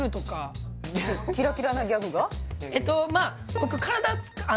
えっとまあ